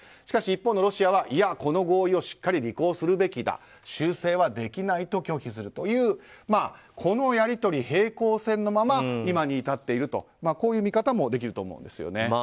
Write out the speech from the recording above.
しかしロシアはこの合意を履行すべきだ修正はできないと拒否するというこのやり取り、平行線のまま今に至っているという見方もできると思うんですね。